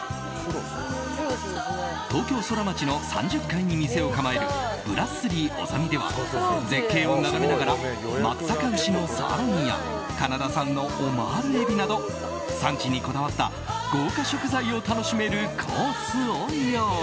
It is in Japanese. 東京ソラマチの３０階に店を構えるブラッスリーオザミでは絶景を眺めながら松阪牛のサーロインやカナダ産のオマールエビなど産地にこだわった豪華食材を楽しめるコースを用意。